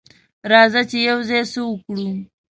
راځه چې یوځای څه وکړو.